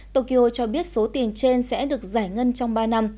tokyo cho biết số tiền trên sẽ được giải ngân trong ba năm